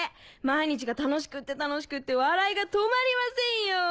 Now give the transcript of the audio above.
毎日が楽しくって楽しくって笑いが止まりませんよ。